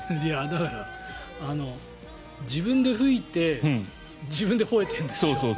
だから、自分で吹いて自分でほえてるんですよ。